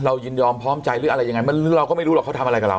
ยินยอมพร้อมใจหรืออะไรยังไงเราก็ไม่รู้หรอกเขาทำอะไรกับเรา